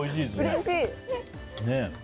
うれしい！